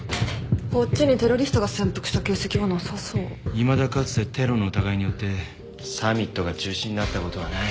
いまだかつてテロの疑いによってサミットが中止になったことはない。